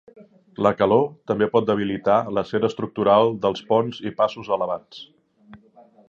La calor també pot debilitar l'acer estructural dels ponts i passos elevats.